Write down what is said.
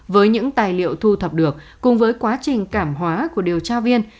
với những tài liệu thu thập được cùng với quá trình cảm hóa của điều tra viên